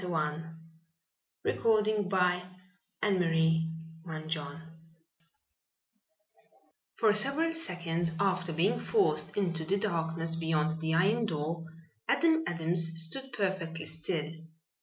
CHAPTER XXI CLOSE TO DEATH For several seconds after being forced into the darkness beyond the iron door Adam Adams stood perfectly still.